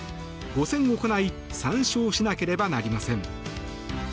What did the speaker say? ５戦行い３勝しなければなりません。